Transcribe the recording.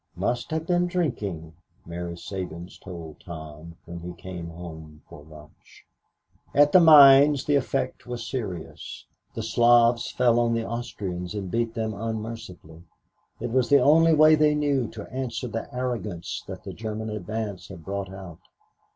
"Must have been drinking," Mary Sabins told Tom when he came home for lunch. At the mines the effect was serious. The Slavs fell on the Austrians and beat them unmercifully. It was the only way they knew to answer the arrogance that the German advance had brought out.